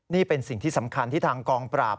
นี่เป็นสิ่งที่สำคัญที่ทางกองปราบ